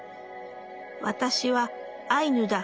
「私はアイヌだ。